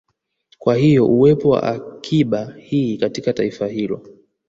Kwa hiyo uwepo wa akiba hii katika taifa hilo